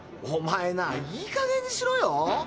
おまえないいかげんにしろよ。